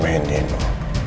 tapi ini tidak